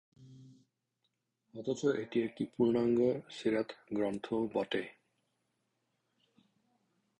অথচ এটি একটি পূর্ণাঙ্গ সীরাত গ্রন্থও বটে।